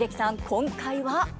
今回は？